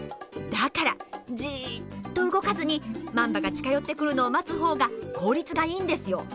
だからじっと動かずにマンバが近寄ってくるのを待つ方が効率がいいんですよ。